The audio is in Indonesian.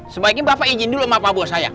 sebaiknya bapak izin dulu maaf maaf buat saya